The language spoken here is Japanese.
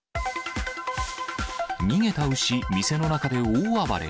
逃げた牛、店の中で大暴れ。